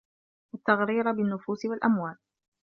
التَّغْرِيرَ بِالنُّفُوسِ وَالْأَمْوَالِ